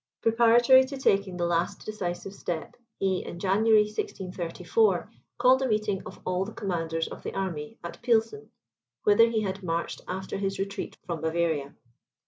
Preparatory to taking the last decisive step, he, in January 1634, called a meeting of all the commanders of the army at Pilsen, whither he had marched after his retreat from Bavaria.